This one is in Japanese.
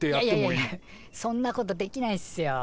いやいやいやそんなことできないっすよ